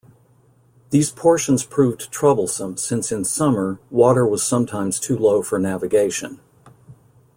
These portions proved troublesome since in summer, water was sometimes too low for navigation.